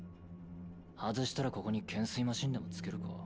外したらここに懸垂マシンでもつけるか。